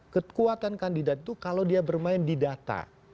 kekuatan kandidat itu kalau dia bermain di data